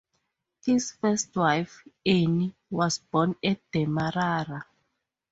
His first wife, Annie, was born at Demarara.